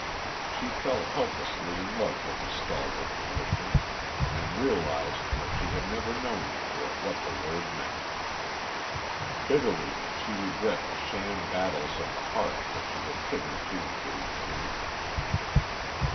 She fell helplessly in love with the stalwart Englishman, and realised that she had never known before what the word meant. Bitterly did she regret the sham battles of the heart that she had hitherto engaged in.